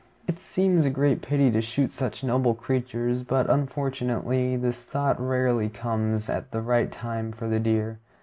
It seems a great pity to shoot such noble creatures; but unfortunately this thought rarely comes at the right time for the deer.